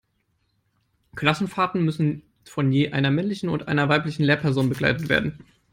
Klassenfahrten müssen von je einer männlichen und einer weiblichen Lehrperson begleitet werden.